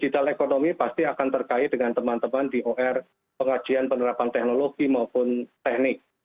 digital ekonomi pasti akan terkait dengan teman teman di or pengajian penerapan teknologi maupun teknik